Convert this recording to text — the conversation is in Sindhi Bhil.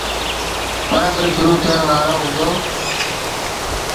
پرٻ شروٚ ٿيڻ وآرو هُݩدو